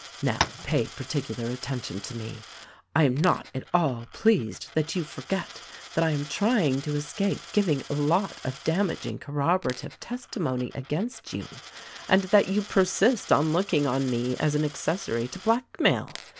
Now, pay particular attention to me: I am not at all pleased that you forget that I am trying to escape giv ing a lot of damaging corroborative testimony against you, and that you persist in looking on me as an accessory to blackmail.